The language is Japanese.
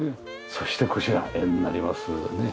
そしてこちら絵になりますね。